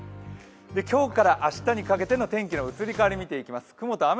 今日から明日にかけての天気の移り変わり見ていきます。